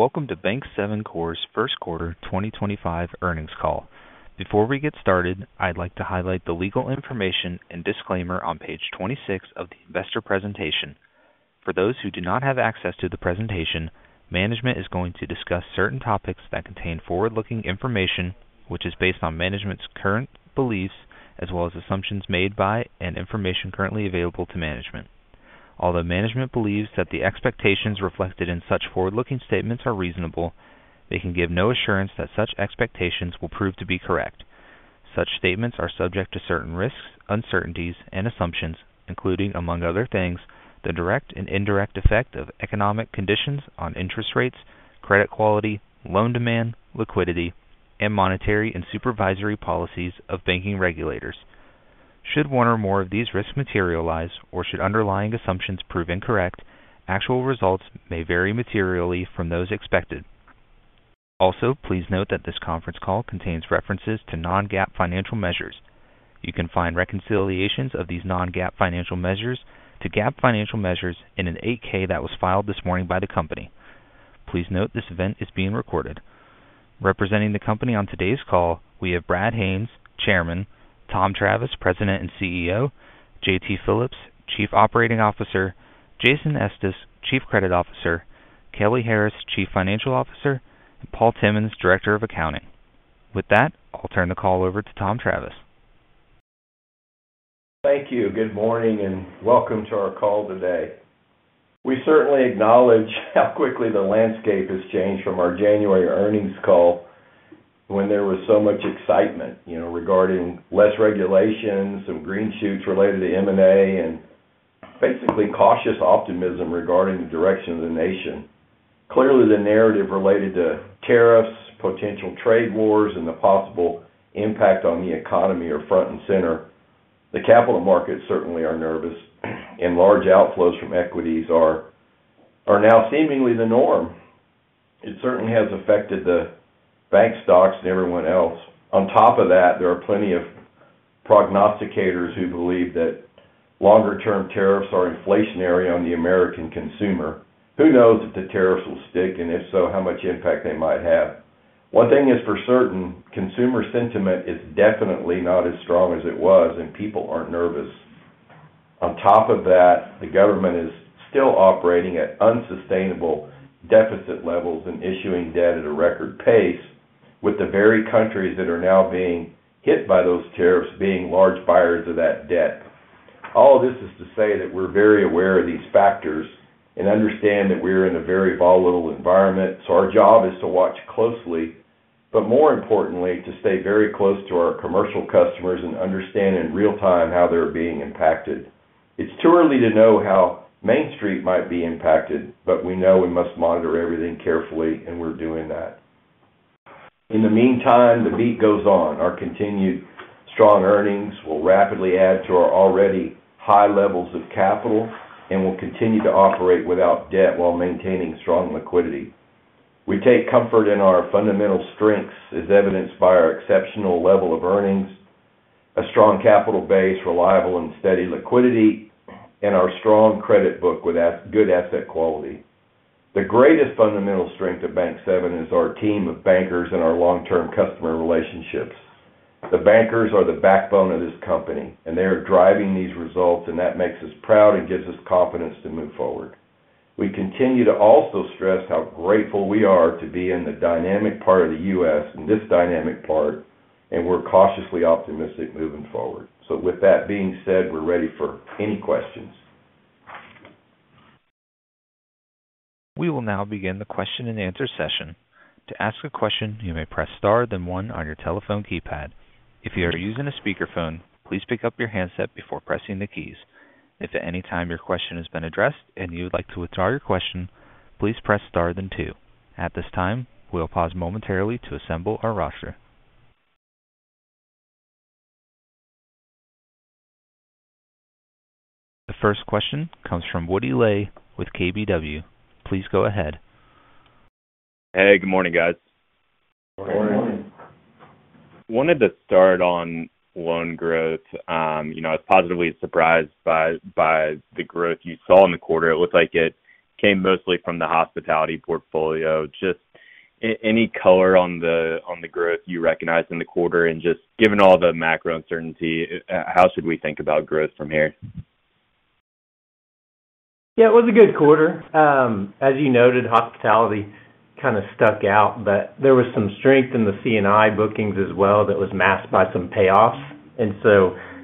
Welcome to Bank7 Corp's Q1 2025 Earnings Call. Before we get started, I'd like to highlight the legal information and disclaimer on page 26 of the investor presentation. For those who do not have access to the presentation, management is going to discuss certain topics that contain forward-looking information, which is based on management's current beliefs as well as assumptions made by and information currently available to management. Although management believes that the expectations reflected in such forward-looking statements are reasonable, they can give no assurance that such expectations will prove to be correct. Such statements are subject to certain risks, uncertainties, and assumptions, including, among other things, the direct and indirect effect of economic conditions on interest rates, credit quality, loan demand, liquidity, and monetary and supervisory policies of banking regulators. Should one or more of these risks materialize, or should underlying assumptions prove incorrect, actual results may vary materially from those expected. Also, please note that this conference call contains references to non-GAAP financial measures. You can find reconciliations of these non-GAAP financial measures to GAAP financial measures in an 8-K that was filed this morning by the company. Please note this event is being recorded. Representing the company on today's call, we have Brad Haines, Chairman, Tom Travis, President and CEO, J.T. Phillips, Chief Operating Officer, Jason Estes, Chief Credit Officer, Kelly Harris, Chief Financial Officer, and Paul Timmons, Director of Accounting. With that, I'll turn the call over to Tom Travis. Thank you. Good morning and welcome to our call today. We certainly acknowledge how quickly the landscape has changed from our January earnings call when there was so much excitement regarding less regulations and green shoots related to M&A and basically cautious optimism regarding the direction of the nation. Clearly, the narrative related to tariffs, potential trade wars, and the possible impact on the economy are front and center. The capital markets certainly are nervous, and large outflows from equities are now seemingly the norm. It certainly has affected the bank stocks and everyone else. On top of that, there are plenty of prognosticators who believe that longer-term tariffs are inflationary on the American consumer. Who knows if the tariffs will stick, and if so, how much impact they might have? One thing is for certain, consumer sentiment is definitely not as strong as it was, and people aren't nervous. On top of that, the government is still operating at unsustainable deficit levels and issuing debt at a record pace, with the very countries that are now being hit by those tariffs being large buyers of that debt. All of this is to say that we're very aware of these factors and understand that we're in a very volatile environment, so our job is to watch closely, but more importantly, to stay very close to our commercial customers and understand in real time how they're being impacted. It's too early to know how Main Street might be impacted, but we know we must monitor everything carefully, and we're doing that. In the meantime, the beat goes on. Our continued strong earnings will rapidly add to our already high levels of capital and will continue to operate without debt while maintaining strong liquidity. We take comfort in our fundamental strengths, as evidenced by our exceptional level of earnings, a strong capital base, reliable and steady liquidity, and our strong credit book with good asset quality. The greatest fundamental strength of Bank7 is our team of bankers and our long-term customer relationships. The bankers are the backbone of this company, and they are driving these results, and that makes us proud and gives us confidence to move forward. We continue to also stress how grateful we are to be in the dynamic part of the U.S. and this dynamic part, and we're cautiously optimistic moving forward. With that being said, we're ready for any questions. We will now begin the question and answer session. To ask a question, you may press star then one on your telephone keypad. If you are using a speakerphone, please pick up your handset before pressing the keys. If at any time your question has been addressed and you would like to withdraw your question, please press star then two. At this time, we'll pause momentarily to assemble our roster. The first question comes from Woody Lay with KBW. Please go ahead. Hey, good morning, guys. Morning. Wanted to start on loan growth. I was positively surprised by the growth you saw in the quarter. It looked like it came mostly from the hospitality portfolio. Just any color on the growth you recognized in the quarter? Just given all the macro uncertainty, how should we think about growth from here? Yeah, it was a good quarter. As you noted, hospitality kind of stuck out, but there was some strength in the C&I bookings as well that was masked by some payoffs.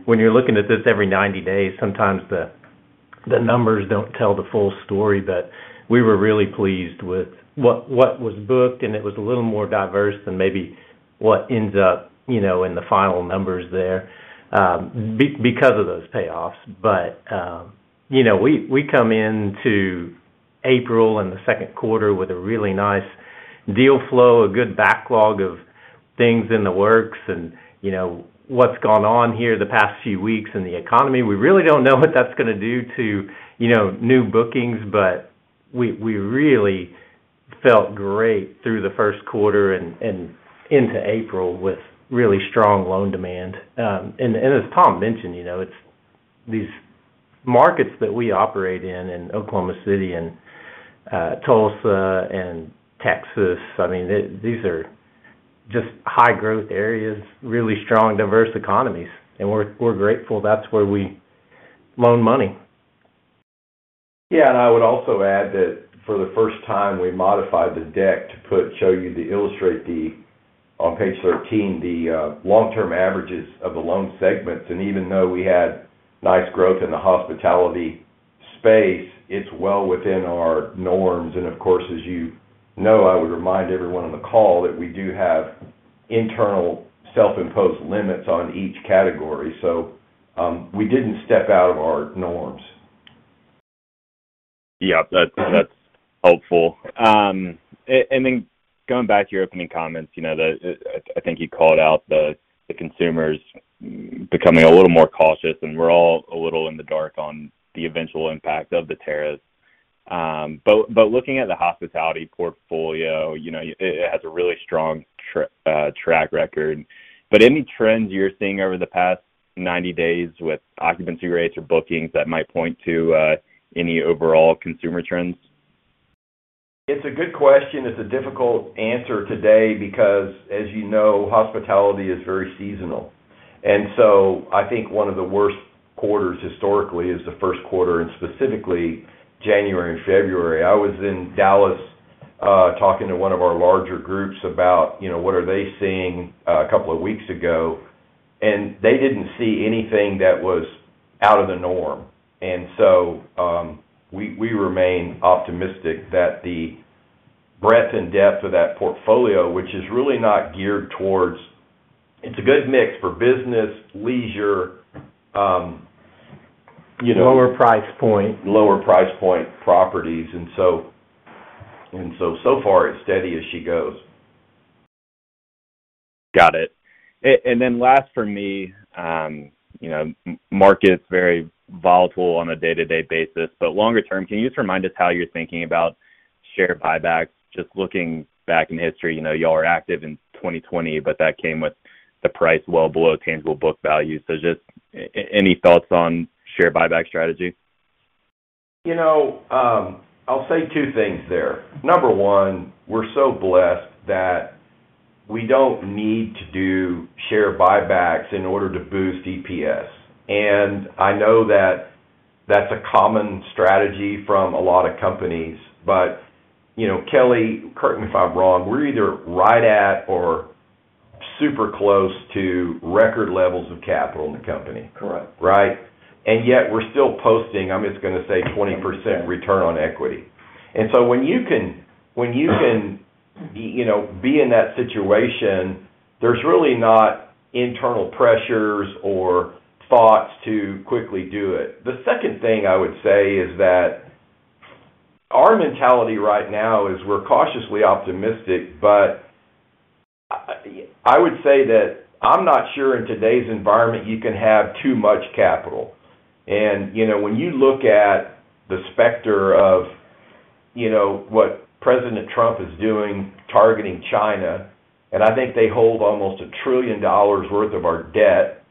When you're looking at this every 90 days, sometimes the numbers do not tell the full story, but we were really pleased with what was booked, and it was a little more diverse than maybe what ends up in the final numbers there because of those payoffs. We come into April and the Q2 with a really nice deal flow, a good backlog of things in the works, and what has gone on here the past few weeks in the economy. We really do not know what that is going to do to new bookings, but we really felt great through the Q1 and into April with really strong loan demand. As Tom mentioned, these markets that we operate in, in Oklahoma City and Tulsa and Texas, I mean, these are just high-growth areas, really strong, diverse economies, and we're grateful that's where we loan money. Yeah, I would also add that for the first time, we modified the deck to show you, to illustrate on page 13, the long-term averages of the loan segments. Even though we had nice growth in the hospitality space, it's well within our norms. Of course, as you know, I would remind everyone on the call that we do have internal self-imposed limits on each category, so we didn't step out of our norms. Yep, that's helpful. Going back to your opening comments, I think you called out the consumers becoming a little more cautious, and we're all a little in the dark on the eventual impact of the tariffs. Looking at the hospitality portfolio, it has a really strong track record. Any trends you're seeing over the past 90 days with occupancy rates or bookings that might point to any overall consumer trends? It's a good question. It's a difficult answer today because, as you know, hospitality is very seasonal. I think one of the worst quarters historically is the Q1, and specifically January and February. I was in Dallas talking to one of our larger groups about what are they seeing a couple of weeks ago, and they didn't see anything that was out of the norm. We remain optimistic that the breadth and depth of that portfolio, which is really not geared towards, it's a good mix for business, leisure. Lower price point. Lower price point properties. So far, it's steady as she goes. Got it. Last for me, market's very volatile on a day-to-day basis, but longer term, can you just remind us how you're thinking about share buyback? Just looking back in history, y'all were active in 2020, but that came with the price well below tangible book value. Just any thoughts on share buyback strategy? I'll say two things there. Number one, we're so blessed that we don't need to do share buybacks in order to boost EPS. I know that that's a common strategy from a lot of companies, but Kelly, correct me if I'm wrong, we're either right at or super close to record levels of capital in the company. Correct. Right? Yet we're still posting, I'm just going to say, 20% return on equity. When you can be in that situation, there's really not internal pressures or thoughts to quickly do it. The second thing I would say is that our mentality right now is we're cautiously optimistic, but I would say that I'm not sure in today's environment you can have too much capital. When you look at the specter of what President Trump is doing targeting China, and I think they hold almost $1 trillion worth of our debt,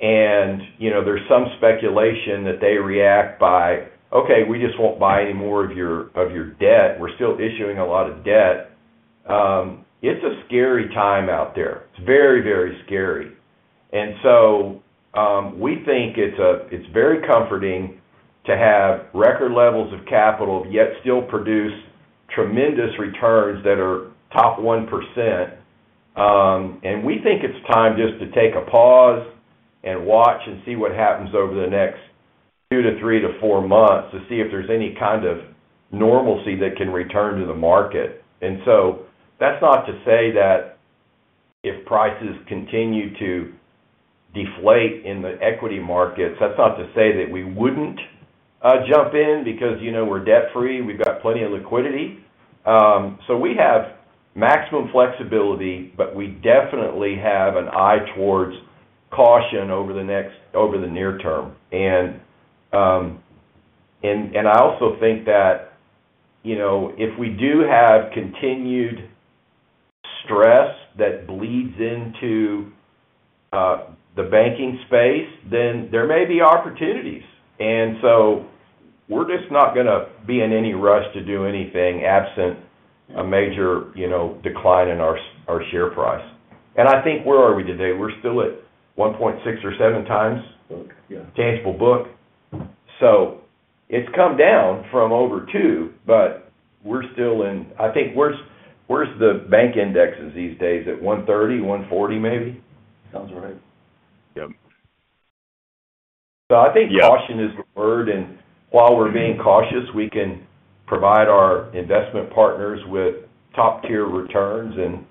and there's some speculation that they react by, "Okay, we just won't buy any more of your debt. We're still issuing a lot of debt." It's a scary time out there. It's very, very scary. We think it's very comforting to have record levels of capital yet still produce tremendous returns that are top 1%. We think it's time just to take a pause and watch and see what happens over the next two to three to four months to see if there's any kind of normalcy that can return to the market. That's not to say that if prices continue to deflate in the equity markets, that's not to say that we wouldn't jump in because we're debt-free. We've got plenty of liquidity. We have maximum flexibility, but we definitely have an eye towards caution over the near term. I also think that if we do have continued stress that bleeds into the banking space, then there may be opportunities. We're just not going to be in any rush to do anything absent a major decline in our share price. I think where are we today? We're still at 1.6 or 1.7 times tangible book. It has come down from over 2, but we're still in, I think, where's the bank indexes these days? At 130, 140 maybe? Sounds right. Yep. I think caution is the word. While we're being cautious, we can provide our investment partners with top-tier returns, and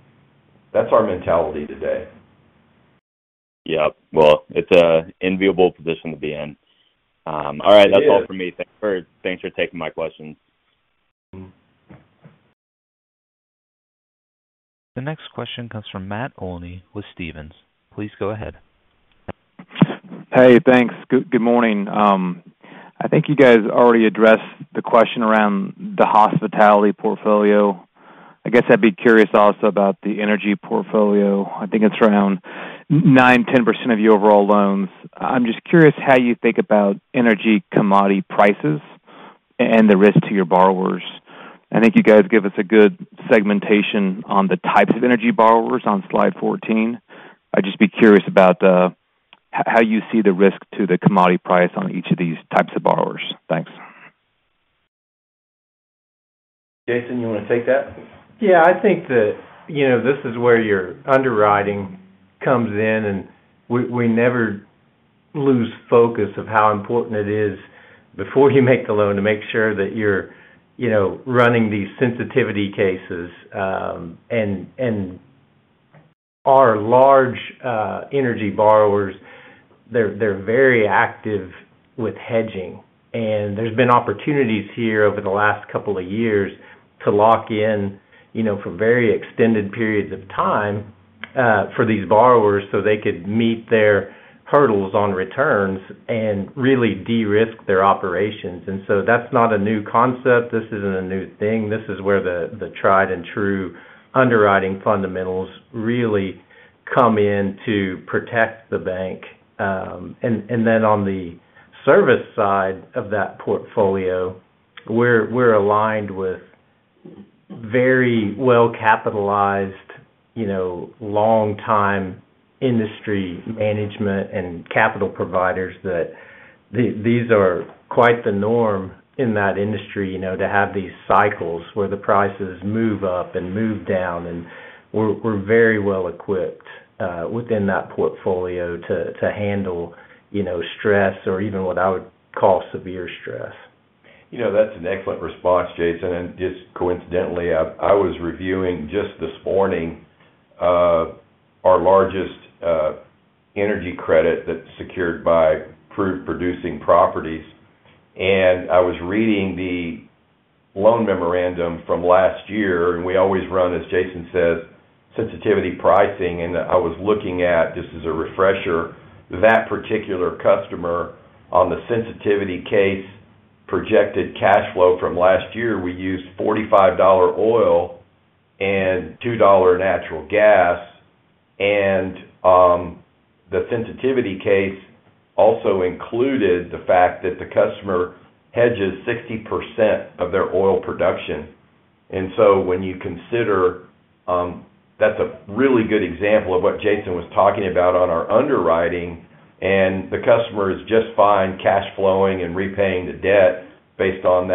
that's our mentality today. Yep. It is an enviable position to be in. All right, that's all for me. Thanks for taking my questions. The next question comes from Matt Olney with Stephens. Please go ahead. Hey, thanks. Good morning. I think you guys already addressed the question around the hospitality portfolio. I guess I'd be curious also about the energy portfolio. I think it's around 9%-10% of your overall loans. I'm just curious how you think about energy commodity prices and the risk to your borrowers. I think you guys give us a good segmentation on the types of energy borrowers on slide 14. I'd just be curious about how you see the risk to the commodity price on each of these types of borrowers. Thanks. Jason, you want to take that? Yeah, I think that this is where your underwriting comes in, and we never lose focus of how important it is before you make the loan to make sure that you're running these sensitivity cases. Our large energy borrowers, they're very active with hedging. There have been opportunities here over the last couple of years to lock in for very extended periods of time for these borrowers so they could meet their hurdles on returns and really de-risk their operations. That is not a new concept. This is not a new thing. This is where the tried and true underwriting fundamentals really come in to protect the bank. On the service side of that portfolio, we're aligned with very well-capitalized, long-time industry management and capital providers. These are quite the norm in that industry to have these cycles where the prices move up and move down. We are very well equipped within that portfolio to handle stress or even what I would call severe stress. That's an excellent response, Jason. Just coincidentally, I was reviewing just this morning our largest energy credit that's secured by Proved Producing Properties. I was reading the loan memorandum from last year, and we always run, as Jason says, sensitivity pricing. I was looking at, just as a refresher, that particular customer on the sensitivity case projected cash flow from last year. We used $45 oil and $2 natural gas. The sensitivity case also included the fact that the customer hedges 60% of their oil production. When you consider, that's a really good example of what Jason was talking about on our underwriting. The customer is just fine cash flowing and repaying the debt based on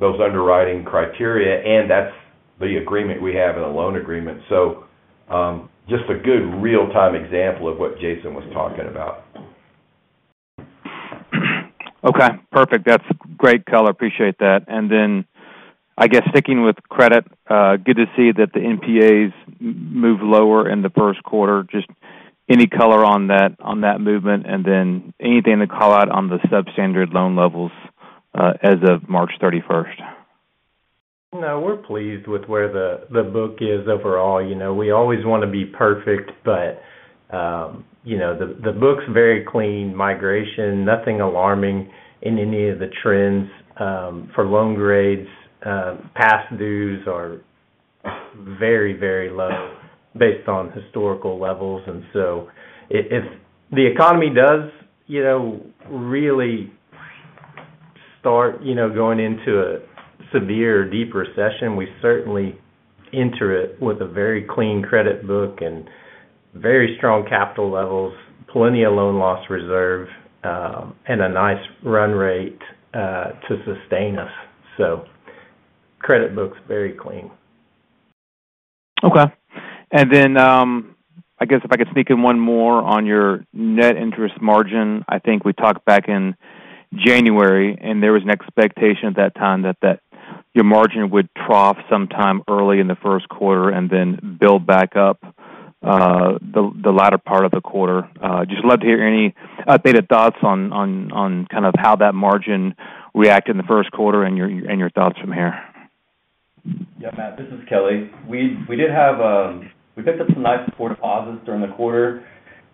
those underwriting criteria. That's the agreement we have in a loan agreement. Just a good real-time example of what Jason was talking about. Okay. Perfect. That's great color. Appreciate that. I guess sticking with credit, good to see that the NPAs move lower in the Q1. Just any color on that movement? Anything to call out on the substandard loan levels as of March 31st? No, we're pleased with where the book is overall. We always want to be perfect, but the book's very clean. Migration, nothing alarming in any of the trends for loan grades. Past dues are very, very low based on historical levels. If the economy does really start going into a severe or deep recession, we certainly enter it with a very clean credit book and very strong capital levels, plenty of loan loss reserve, and a nice run rate to sustain us. Credit book's very clean. Okay. I guess if I could sneak in one more on your net interest margin. I think we talked back in January, and there was an expectation at that time that your margin would trough sometime early in the Q1 and then build back up the latter part of the quarter. Just love to hear any updated thoughts on kind of how that margin reacted in the Q1 and your thoughts from here. Yeah, Matt, this is Kelly. We did have a we picked up some nice core deposits during the quarter.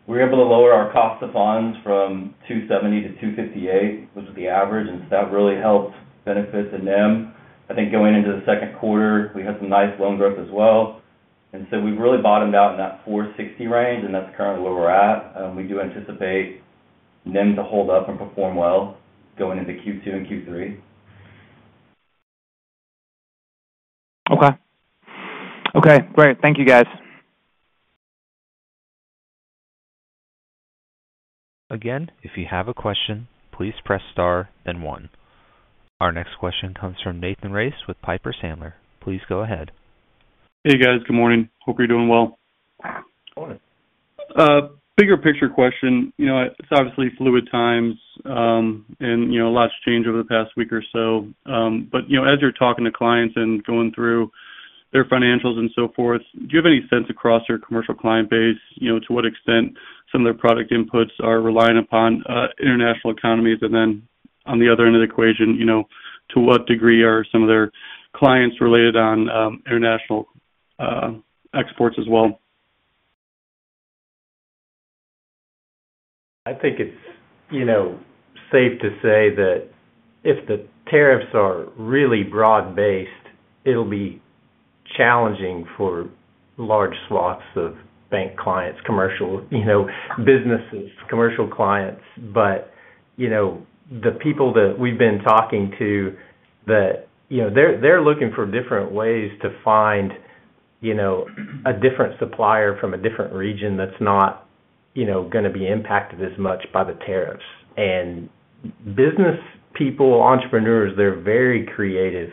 We were able to lower our cost of funds from 270 to 258, which is the average, and so that really helped benefit the NIM. I think going into the Q2, we had some nice loan growth as well. We have really bottomed out in that 460 range, and that's currently where we're at. We do anticipate NIM to hold up and perform well going into Q2 and Q3. Okay. Okay. Great. Thank you, guys. Again, if you have a question, please press star, then one. Our next question comes from Nathan Race with Piper Sandler. Please go ahead. Hey, guys. Good morning. Hope you're doing well. Morning. Bigger picture question. It's obviously fluid times, and lots changed over the past week or so. As you're talking to clients and going through their financials and so forth, do you have any sense across your commercial client base to what extent some of their product inputs are reliant upon international economies? On the other end of the equation, to what degree are some of their clients related on international exports as well? I think it's safe to say that if the tariffs are really broad-based, it'll be challenging for large swaths of bank clients, commercial businesses, commercial clients. The people that we've been talking to, they're looking for different ways to find a different supplier from a different region that's not going to be impacted as much by the tariffs. Business people, entrepreneurs, they're very creative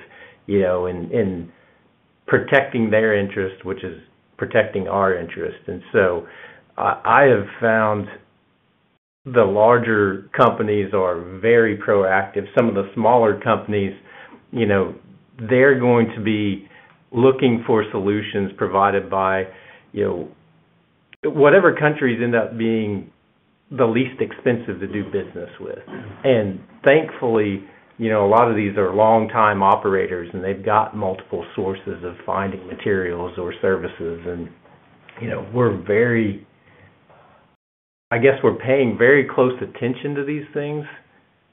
in protecting their interest, which is protecting our interest. I have found the larger companies are very proactive. Some of the smaller companies, they're going to be looking for solutions provided by whatever countries end up being the least expensive to do business with. Thankfully, a lot of these are long-time operators, and they've got multiple sources of finding materials or services. We're paying very close attention to these things,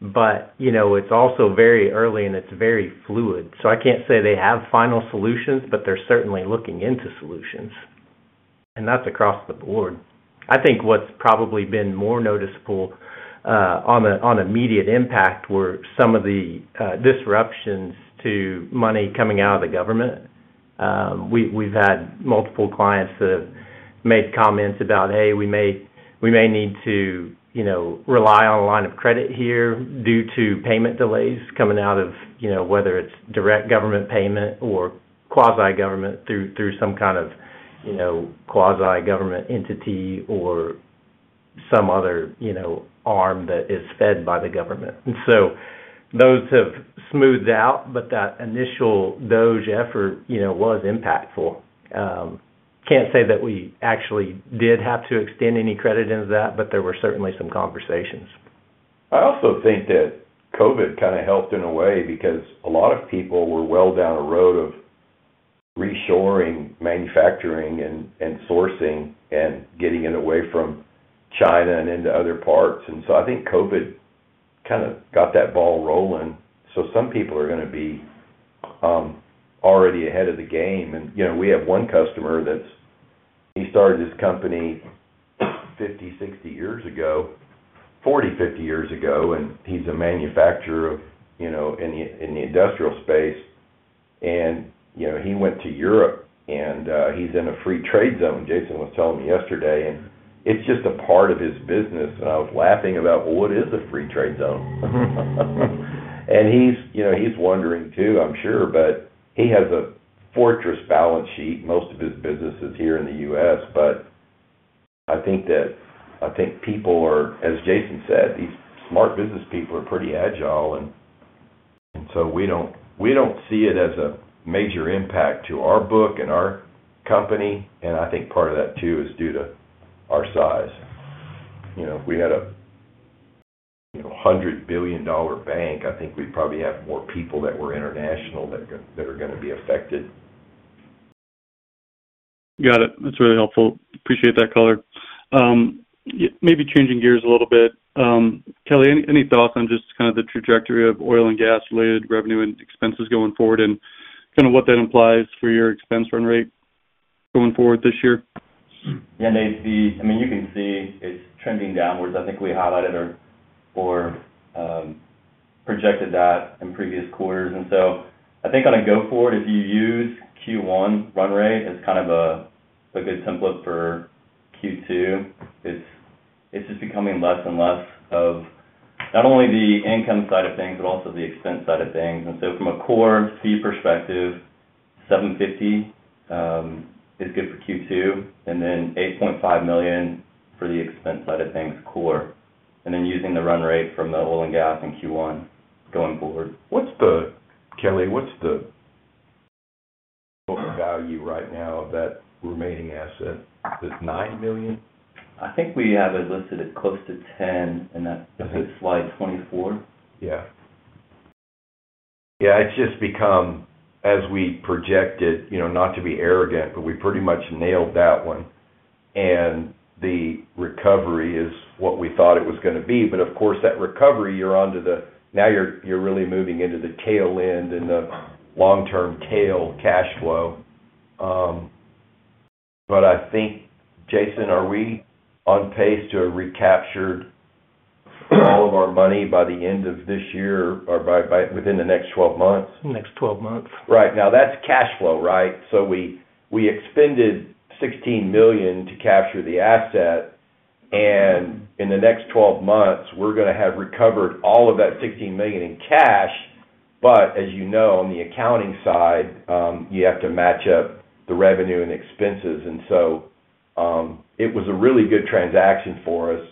but it's also very early, and it's very fluid. I can't say they have final solutions, but they're certainly looking into solutions. That's across the board. I think what's probably been more noticeable on immediate impact were some of the disruptions to money coming out of the government. We've had multiple clients that have made comments about, "Hey, we may need to rely on a line of credit here due to payment delays coming out of whether it's direct government payment or quasi-government through some kind of quasi-government entity or some other arm that is fed by the government." Those have smoothed out, but that initial DOGE effort was impactful. Can't say that we actually did have to extend any credit into that, but there were certainly some conversations. I also think that COVID kind of helped in a way because a lot of people were well down the road of reshoring, manufacturing, and sourcing, and getting away from China and into other parts. I think COVID kind of got that ball rolling. Some people are going to be already ahead of the game. We have one customer that's he started his company 40-50 years ago, and he's a manufacturer in the industrial space. He went to Europe, and he's in a free trade zone, Jason was telling me yesterday. It's just a part of his business. I was laughing about, "What is a free trade zone?" He's wondering too, I'm sure, but he has a fortress balance sheet. Most of his business is here in the U.S. I think people are, as Jason said, these smart business people are pretty agile. We do not see it as a major impact to our book and our company. I think part of that too is due to our size. If we had a $100 billion bank, I think we'd probably have more people that were international that are going to be affected. Got it. That's really helpful. Appreciate that, Color. Maybe changing gears a little bit. Kelly, any thoughts on just kind of the trajectory of oil and gas-related revenue and expenses going forward and kind of what that implies for your expense run rate going forward this year? Yeah, Nathan, I mean, you can see it's trending downwards. I think we highlighted or projected that in previous quarters. I think on a go forward, if you use Q1 run rate, it's kind of a good template for Q2. It's just becoming less and less of not only the income side of things, but also the expense side of things. From a core fee perspective, $750,000 is good for Q2, and then $8.5 million for the expense side of things, core. Using the run rate from the oil and gas in Q1 going forward. Kelly, what's the total value right now of that remaining asset? Is it $9 million? I think we have it listed at close to 10 in slide 24. Yeah. Yeah, it's just become, as we projected, not to be arrogant, but we pretty much nailed that one. The recovery is what we thought it was going to be. Of course, that recovery, you're onto the now you're really moving into the tail end and the long-term tail cash flow. I think, Jason, are we on pace to have recaptured all of our money by the end of this year or within the next 12 months? Next 12 months. Right. Now, that's cash flow, right? We expended $16 million to capture the asset. In the next 12 months, we're going to have recovered all of that $16 million in cash. As you know, on the accounting side, you have to match up the revenue and expenses. It was a really good transaction for us.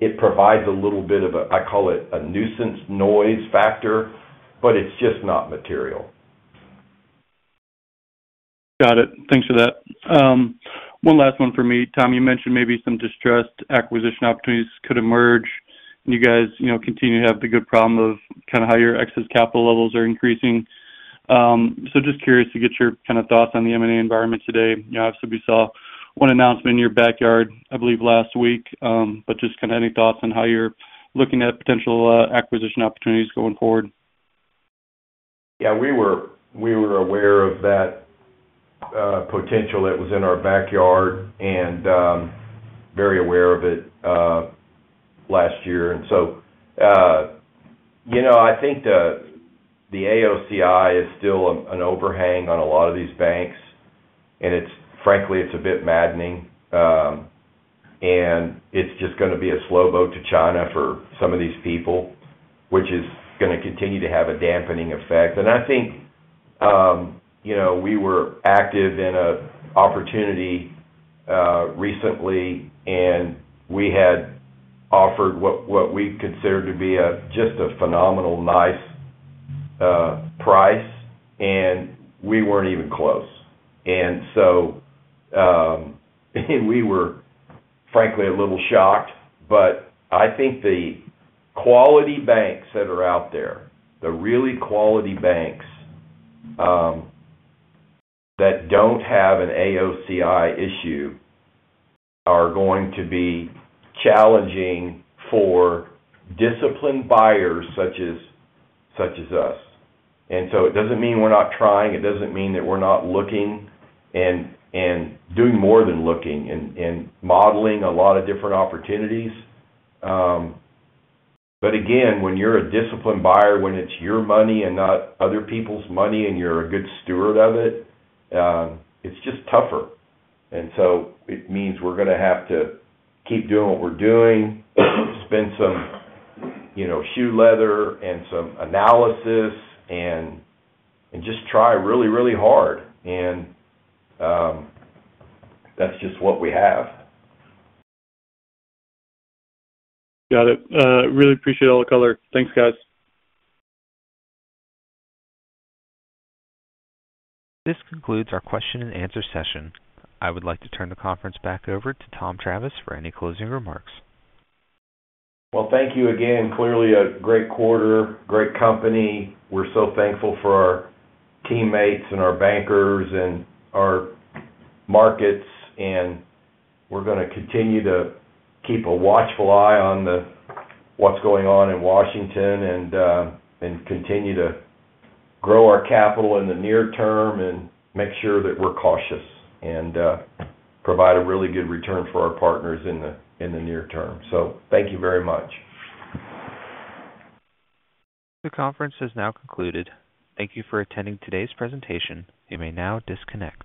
It provides a little bit of a, I call it a nuisance noise factor, but it's just not material. Got it. Thanks for that. One last one for me. Tom, you mentioned maybe some distressed acquisition opportunities could emerge. You guys continue to have the good problem of kind of how your excess capital levels are increasing. Just curious to get your kind of thoughts on the M&A environment today. Obviously, we saw one announcement in your backyard, I believe, last week. Just kind of any thoughts on how you're looking at potential acquisition opportunities going forward? Yeah, we were aware of that potential that was in our backyard and very aware of it last year. I think the AOCI is still an overhang on a lot of these banks. Frankly, it's a bit maddening. It's just going to be a slow boat to China for some of these people, which is going to continue to have a dampening effect. I think we were active in an opportunity recently, and we had offered what we consider to be just a phenomenal nice price, and we were not even close. We were, frankly, a little shocked. I think the quality banks that are out there, the really quality banks that do not have an AOCI issue, are going to be challenging for disciplined buyers such as us. It does not mean we are not trying. It does not mean that we are not looking and doing more than looking and modeling a lot of different opportunities. When you are a disciplined buyer, when it is your money and not other people's money and you are a good steward of it, it is just tougher. It means we are going to have to keep doing what we are doing, spend some shoe leather and some analysis, and just try really, really hard. That is just what we have. Got it. Really appreciate all the color. Thanks, guys. This concludes our question-and-answer session. I would like to turn the conference back over to Tom Travis for any closing remarks. Thank you again. Clearly, a great quarter, great company. We're so thankful for our teammates and our bankers and our markets. We're going to continue to keep a watchful eye on what's going on in Washington and continue to grow our capital in the near term and make sure that we're cautious and provide a really good return for our partners in the near term. Thank you very much. The conference has now concluded. Thank you for attending today's presentation. You may now disconnect.